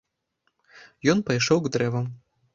Ён пайшоў к дрэвам.